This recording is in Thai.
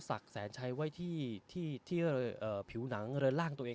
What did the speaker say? สั่งแสนชัยไว้ที่ที่ที่เอ่อผิวหนังเลยร่างของตัวเอง